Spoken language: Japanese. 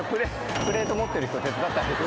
プレート持ってる人手伝ってあげて。